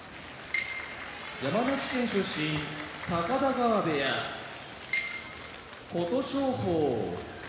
山梨県出身高田川部屋琴勝峰